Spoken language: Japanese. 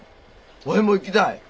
ワイも行きたい！